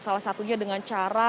salah satunya dengan cara